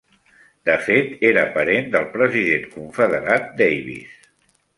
De fet, era parent del president confederat Davis.